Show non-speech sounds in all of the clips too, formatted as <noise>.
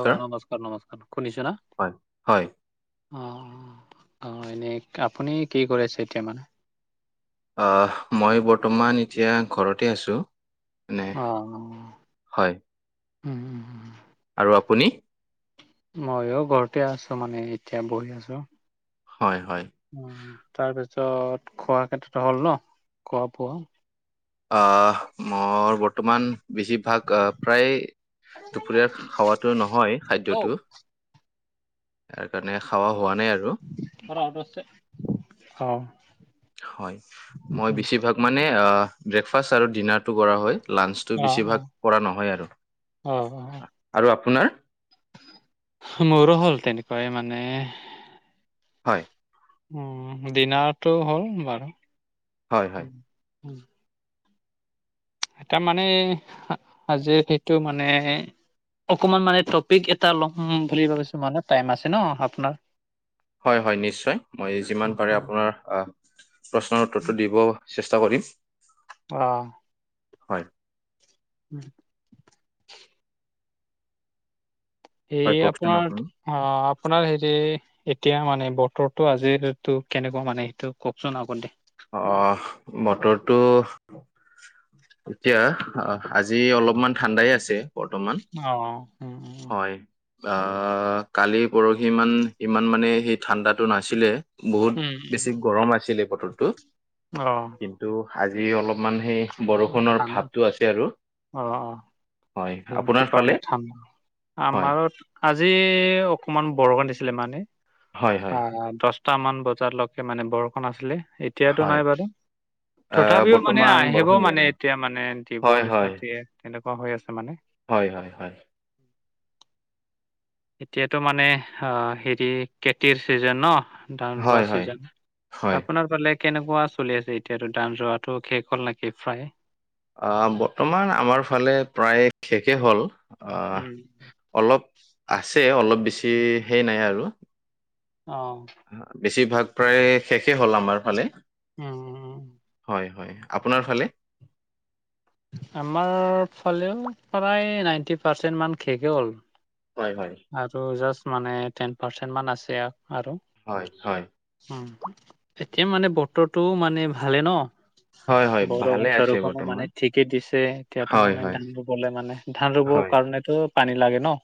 আহ নমস্কাৰ, নমস্কাৰ শুনিছানে? হয় হয় অ' অ'এনেই আপুনি কি কৰি আছে। এতিয়া মানে অহ' মই বৰ্তমান এতিয়া ঘৰতে আছোঁ। অ'অ' হয়। আৰু আপুনি? মইয়ো ঘৰতে আছোঁ মানে এতিয়া বহি আছোঁ। হয়, হয়। অ' তাৰপিছত খোৱা ক্ষেত্ৰত হ'ল ন খোৱা বোৱা। আহ মোৰ বৰ্তমান বেছিভাগ প্ৰায়ে দুপৰীয়া খাৱাতো নহয় অ খাদ্যটো। ইয়াৰ কাৰণে খাৱা হোৱা নাই আৰু অ' হয়, মই বেছিভাগ মানে, আহ ব্ৰেকফাষ্ট আৰু ডিনাৰটো কৰা হয়। লাঞ্চটো অ বেছিভাগ কৰা নহয় আৰু অ অ আৰু আপোনাৰ? মোৰো হ'ল তেনেকুৱাই মানে। হয়। উম, দিনাৰতটো হ'ল বাৰু। হয় হয় এটাৰ মানে আজিৰ সেইটো মানে অকমান মানে টপিক এটা ল'ম বুলি ভাবিছো, মানে টাইম আছে ন আপোনাৰ? হয়, হয় নিশ্চয়। মই যিমান পাৰে আপোনাৰ অঁ প্ৰশ্নৰ উত্তৰটো দিব চেষ্টা কৰিম। অ'। হয়। উম। এই হয় কওকচোন আপোনাৰ আপুনি অঁ আপোনাৰ হেৰি এতিয়া মানে বতটো আজিৰতো কেনেকুৱা মানে সেইটো কওকচোন? অকন দে। অহ' বতৰটো এতিয়া অঁ আজি অলপমান ঠাণ্ডাই আছে বৰ্তমান অ উম উম উম। হয়। আহ কালি পৰহিমান ইমান মানে সেই ঠাণ্ডাটো নাছিলে। বহুত উম বেছি গৰম আছিল এই বতৰটো। অঁ। কিন্তু আজি অলপমান সেই বৰষুণ থান অ' অ'। হয় সেইটো আপোনাৰ ফালে কাৰণে ঠাণ্ডা। হয় আমাৰো আজি অকমান বৰষুণ দিছিলে মানে। হয় হয় আহ দহটা মান বজালৈকে মানে বৰষুণ আছিলে। এতিয়াতো হয় নাই বাৰু? আহ তথাপিও মানে বৰ্তমান আহিব বৰষুণ দিয়া মানে, নাই এতিয়া মানে দিৱ হয় নিচিনা হয় তেনেকুৱা হৈ আছে মানে। হয়, হয়, হয়। এতিয়াতো মানে অ' হেৰি খেতিৰ চিজন ন। ধান ৰোৱা হয় হয় চিজন। হয় আপোনাৰ ফালে কেনেকুৱা চলি আছে, এতিয়াতো ধান ৰোৱাটো শেষ হ'ল নেকি প্ৰায়? আহ বৰ্তমান আমাৰ ফালে প্ৰায় শেষে হ'ল। উম। আহ অলপ আছে, অলপ বেছি হেই নাই আৰু। অ'। বেছিভাগ প্ৰায় শেষে হ'ল আমাৰ ফালে। উম, উম। হয়, হয়, আপোনাৰ ফালে? আমাৰ ফালেও প্ৰায় নাইনটি পাৰ্চেন্ট মান শেষে হ'ল। হয়, হয়। আৰু জাষ্ট মানে টেন পাৰ্চেন্ট মান আছে আৰু। হয়, হয়। এতিয়া মানে বতৰটো মানে ভালে ন। হয় হয় ভালে বৰষুণ আছে চৰষুণ মানে বৰ্তমান ঠিকে দিছে এতিয়াতো হয় মানে হয় ধান ৰুবলৈ মানে, ধান ৰুব হয় কাৰণেতো পানী লাগে ন।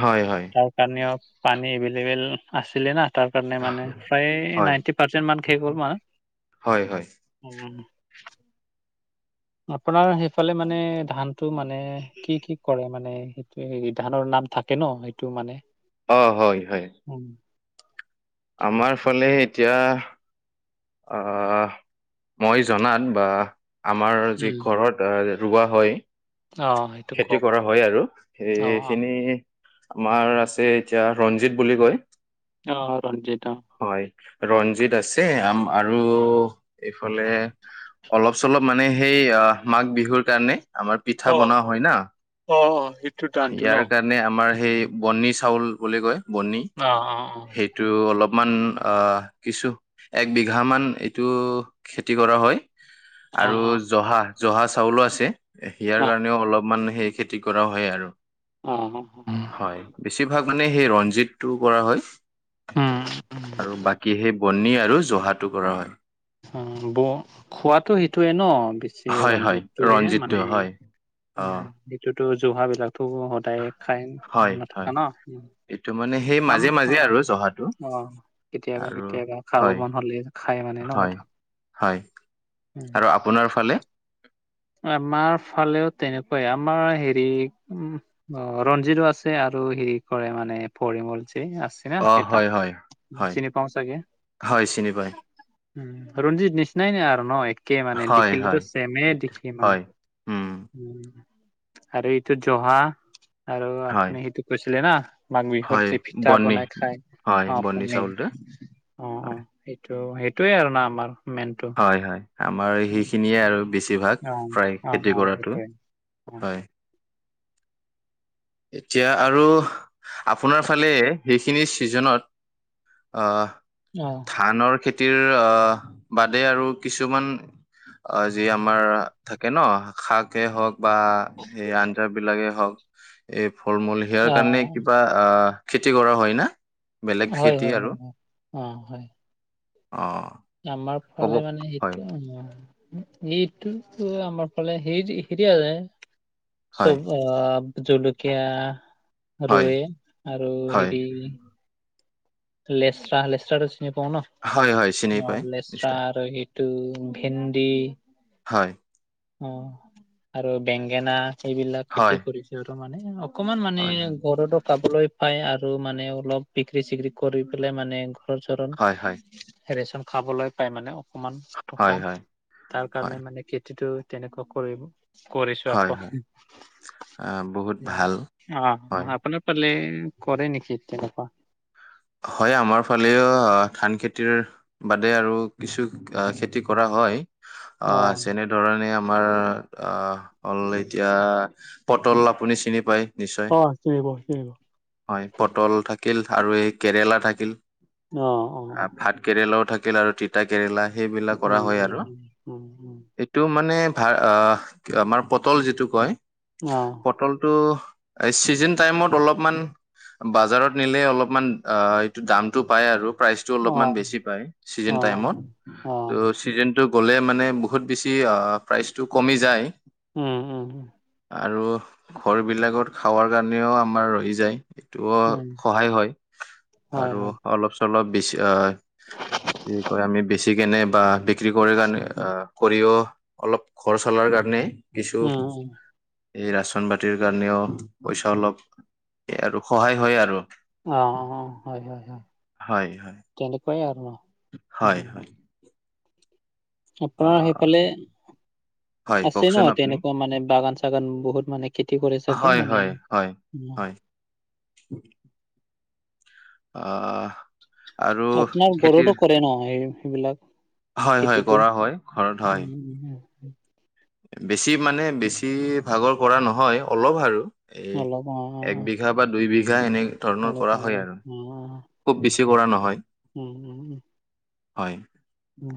হয়, হয়। তাৰ কাৰণেও পানী এভেইলেবেল আছিলে না। তাৰ কাৰণে মানে প্ৰায় হয় নাইনটি পাৰ্চেণ্ট মান শেষ হ'ল মান। হয় হয় আপোনাৰ সেইফালে মানে ধানটো মানে কি কি কৰে? মানে সেইটো ধানৰ নাম থাকে ন সেইটো মানে। অঁ হয়, হয়। উম, আমাৰফালে এতিয়া আহ মই জনাত বা আমাৰ যি উম ঘৰত ৰোৱা হয়। অ সেইটো খেতি কওক কৰা হয় আৰু অ সেইখিনি আমাৰ আছে এতিয়া ৰঞ্জিত বুলি কয়। অ ৰঞ্জিত অ, হয় ৰঞ্জিত আছে আ আৰু এইফালে অলপ চলপ মানে সেই মাঘ বিহুৰ কাৰণে। আমাৰ পিঠা অ অ বনোৱা হয় না অ অ অ' সেইটো ধানটো ন ইয়াৰ কাৰণে আমাৰ সেই বনি চাউল বুলি কয় বনি। অ অ অ, সেইটো অলপ মান কিছু এক বিঘামান এইটো খেতি কৰা হয়। অ আৰু অ জহা জহা চাউলো আছে ইয়াৰ কাৰণেও অলপমান সেই খেতি খেতি কৰা হয় আৰু। অঁ, অঁ, উম, হয় বেছিভাগ মানে সেই ৰঞ্জিতটো কৰা হয়। উম, উম আৰু বাকী সেই বনি আৰু জহাটো কৰা হয়। অ ব খোৱাতো সেইটোয়ে ন বে বেচি হয় হয় ৰঞ্জিতটোহে ৰঞ্জিতটো মানে হয় উ অ এইটোতো জহাবিলাকটো সদায় খাই হয় নথকা হয় ন। এইটো মানে সেই অ মাজে মাজে আৰু জহাটো অ কেতিয়াবা আৰু কেতিয়াবা খাব হয় মন হ'লে খাই মানে নহয়। হয় হয় আৰু আপোনাৰ ফালে? আমাৰ ফালেও তেনেকুৱাই আমাৰ হেৰি উ অ ৰঞ্জিতো আছে আৰু হেৰি কৰে মানে পৰিমল যে আছে। থাকে অ ন এটা হয় হয় হয় চিনি পাওঁ চাগে। হয় চিনি পায় ৰঞ্জিত নিচিনাই নে আৰু ন একে মানে হয় হয় দেখিলেটো চেমে এইটো দেখি। মানে হয় উম আৰু এইটো জহা, আৰু হয় আপুনি সেইটো কৈছিলে না মাঘ বিহুত হয় যে পিঠা বৰ্ণি বনাই খাই। হয় অঁ-অঁ বৰ্ণি মেইন চাউলটো অ হয় সেইটো সেইটোৱেই আৰু নাই হোৱা মেইনটো <unintelligible> হয়-হয় আমাৰ সেইখিনিয়ে আৰু বেছিভাগ অ প্ৰায় অ খেতি অ কৰাটো, সেইটোৱে অ হয়। এতিয়া আৰু আপোনাৰ ফালে সেইখিনি ছিজনত আহ ধানৰ খেতি- খেতিৰ আহ বাদে আৰু কিছুমান যি আমাৰ থাকে ন শাকেই হওক বা সেই আঞ্জাবিলাকেই হওক। এই ফল-মূল সেয়াৰ অ অ কাৰণে কিবা আহ খেতি কৰা হয় না? বেলেগ হয়, খেতি হয়, আৰু হয়, অ, হয়। অঁ আমাৰ ফালে মানে সেইটোৱে অ এইটো আমাৰ ফালে হে হেৰি আছে হয় চব অঁ জলকীয়া আৰু হয় এই আৰু হয় হেৰি লেচৰা লেচৰাটো চিনি পাওঁ ন, হয় হয় চিনি পায় অঁ লেচৰা নিশ্চয় আৰু হেৰি টো ভেন্দি হয়। অ আৰু বেঙেনা এইবিলাক খেতি হয় কৰিছো আৰু মানে অক কমান মানে হয় ঘৰতো খাবলৈ পায় আৰু মানে অলপ বিক্ৰী-চিক্ৰী কৰি পেলাই মানে হৰণ চৰন হয় হয় হয় ৰেচন খাবলৈ পাই মানে অকনমান। টকা হয় তাৰ হয় কাৰণে মানে খেতিটো তেনেকুৱা কৰিব। কৰিছো আক, হয় অ হয় আহ বহুত ভাল হয় আপুনি ফালে কৰে নেকি তেনেকুৱা? হয় আমাৰ ফালেও ধান খেতিৰ বাদে আৰু কিছু আ খেতি কৰা হয়। আ অ যেনে ধৰণে আমাৰ অ হ'ল এতি য়া পটল আপুনি চিনি পায়। নিশ্চয় অ চিনি পাওঁ, চিনি পাওঁ। হয় পটল থাকিল আৰু এই কেৰেলা থাকিল। অ অ ভাত কেৰেলাও থাকিল আৰু তিত তা কেৰেলা সেইবিলাক কৰা উম হয় উম আৰু উম উম উম এইট টো মানে ভা আমাৰ পটল যিটো কয়। অ। পটলটো এই চিজন টাইমত অলপমান বাজাৰত নিলে অলপমান আ এইটো দামটো পাই আৰু। প্ৰাইজটো অ অলপমান বেছি পায় ছিজন অ অ টাইমত, অ ত ছিজন টো গ'লে মানে বহুত বেছি আহ প্ৰাইচটো কমি যায়। উম। উম আৰু ঘৰবিলাকত খাৱাৰ কাৰণেও আমাৰ ৰহি যায়। সেইটোৱ উম সহায় হয়। হয় আৰু হয় অলপ চলপ বেছি আহ কি কয় আমি বেছি কিনে বা বি ত্ৰী কৰি কাৰণে আহ সৰিয়হ অলপ ঘৰ চলাৰ কাৰণে কিছু উম, উম, এই ৰেচন পাতিৰ কাৰণেও পইচা অলপ এ আৰু সহায় হয় আৰু। অ অ, হয় হয় হয়। হয় হয়। তেনেকুৱাই আৰু ন। উম, হয় হয়। আপোনাৰ আহ সেইফালে হয় আছে ন, কওকচোন আপুনি তেনেকুৱা মানে বাগান-চাগান বহুত মানে খেতি কৰে চাগে হয় মানে হয় হয় হয় অ অ। আপোনাৰ ঘৰতো কৰে ন সেইবিলাক হয় হয় খেতিটো কৰা হয় ঘৰত হয়। উম, উম, উম বেছি মানে বেছি ভাগৰ কৰা নহয় অলপ আৰু। এ অলপ অ', অ', এক অ', বিঘা বা দুই বিঘা এনে ধৰণৰ কৰা এনেকুৱা হয় মানে আৰু অ', অ খুব বেছি কৰা নহয়, উম, হয়। উ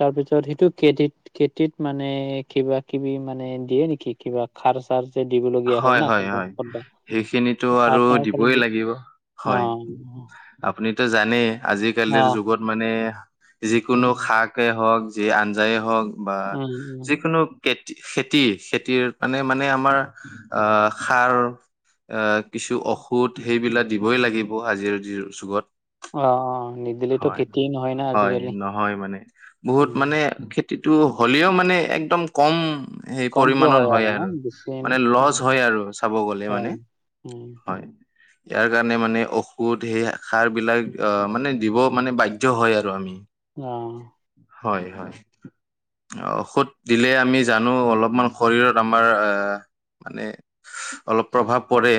তাৰপিছত সেইটো খেতিত খেতিত মানে কিবা কিবি মানে দিয়ে নেকি কিবা? খাৰ চাৰ যে দিবলগীয়া হয় ন। হয় কাৰোবাক হয় কাৰোবাক সেইখিনটো আৰু আপোনাৰ ফালে দিবই দি লাগিব। অ', হয়। আপুনিতো জানেই অ', অ আজিকালিৰ যুগত মানে যিকোনো উম, শাক শাকে হওঁক যি আঞ্জায়ে হওঁক বা উম, উম। যিকোনো- খেতি, খেতি-খেতিৰ মানে-মানে আমাৰ আঁহ' সাৰ- আঁহ' কিছু ঔষধ সেইবিলাক দিবই লাগিব আজিৰৰ যুগত। অ অ নিদিলেতো হয়, খেতিয়ে নহয় না হয়, আজিকালি নহয় মানে বহুত উম মানে- খেতিটো হ'লেও মানে একদম কম সেই কমকে পৰিমাণৰ হয় ন আৰু। বেছি মানে লচ উম, হয় আৰু চাব গ'লে অ মানে উম হয়। ইয়াৰ কাৰণে মানে ঔষধ সেই সাৰবিলাক আঁহ' মানে দিব মানে বাধ্যয় হয় আৰু আমি। অ'। হয়-হয়। ঔষধ দিলে আমি জানো অলপমান শৰীৰত আমাৰ আ- মানে অলপ প্ৰভাৱ পৰে,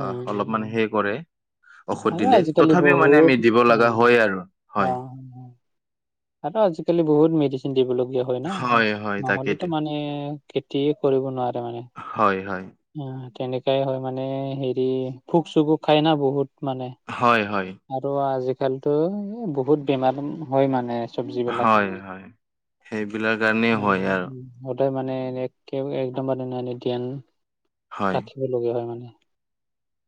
উম উম অলপমান উম। সেই কৰে- ঔষধ আৰু দিলে, আজিকালি তথাপিও মানে বহুত আমি দিব লগা উম হয়েই আৰু, হয়। তাকে, আজিকালি বহুত মেডিচিন দিবলগীয়া হয় না' হয় নহ'লেতো তাকেইতো মানু- হে খেতিয়ে কৰিব নোৱাৰে মানে। হয়-হয়। অঁ', তেনেকাই হয় মানে হেৰি খোপ পোক-চোকো খাই না বহুত মানে। হয়-হয়। আৰু আজিকালিটো এ' বহুত বেমাৰ হয় মানে। চব্জি বিলাক হয়, মানে, হয়, সেইবিলাক কাৰণেই হয় আৰু উম-হুম। সদায় মানে একদম একেবাৰে এনে ধ্যান হয়। ৰাখিব লগীয়া হয় মানে।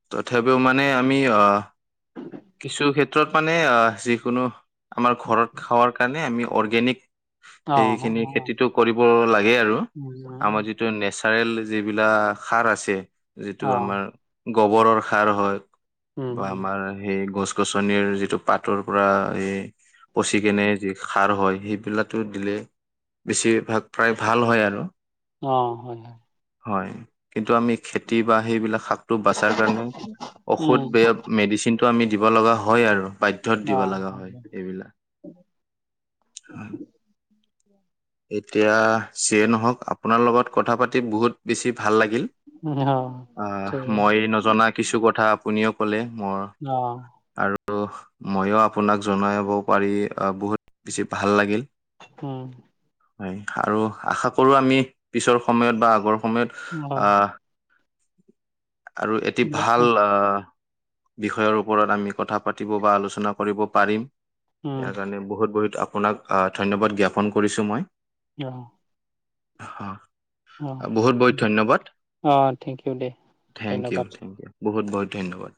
তথাপিও মানে আমি আঁ'- কিছু ক্ষেত্ৰত মানে যিকোনো আমাৰ ঘৰত খাৱোৰ কাৰণে আমি অৰ্গেনিক- অ সেইখিনি অ খেতিটো কৰিব লাগে আৰু। উম আমাৰ যি- যিটো নেচাৰেল যিবিলাক সাৰ আছে যিটো অ আমাৰ- গুবৰৰ সাৰ হয় উম বা উম আমাৰ- সেই গছ-গছনিৰ যিটো পাতৰ পৰা সেই পচি কিনে যে- সাৰ হয় সেইবিলাকো দিলে বেছিভাগ প্ৰায় ভাল হয় আৰু। অঁ', -হয়-হয়। হয়, কিন্তু আমি খেতি বা সেইবিলাক শাক- টো বচাৰ কাৰণে উম ঔষধ বে মেডিচিনটো আমি দিব লগা হয় আৰু বা- ধ্যত দিব লগা হয় এইবিলাক। হয়। এতিয়া যিয়ে নহওঁক আপোনাৰ লগত কথা পাতি বহুত বেছি ভাল লাগিল। অ আঁহ' ঠিক মই নজনা- কিছু কথা আপুনিয়ো ক'লে মই অঁহ'। আৰু মইও আপোনাক জনাব পাৰি বহুত বেছি ভাল লাগিল। উম'। হয়, আৰু আশা কৰোঁ আমি পিছৰ সময়ত বা আগৰ সময়ত অ'। আহ আৰু এটি উম ভাল আঁহ' বিষয়ৰ ওপৰত আমি কথা পাতিব বা আলোচনা কৰিব পাৰিম। ইয়াৰ কাৰণে বহুত-বহুত আপোনাক ধন্যবাদ জ্ঞাপন কৰিছোঁ মই। অহ'। হয়। অঁ অঁ থেংক ইউ দেই থেং ইউ থেংক ইউ বহুত বহুত ধন্যবাদ